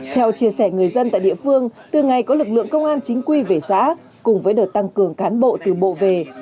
theo chia sẻ người dân tại địa phương từ ngày có lực lượng công an chính quy về xã cùng với đợt tăng cường cán bộ từ bộ về